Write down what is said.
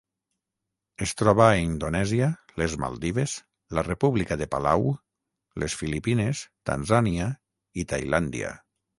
Es troba a Indonèsia, les Maldives, la República de Palau, les Filipines, Tanzània i Tailàndia.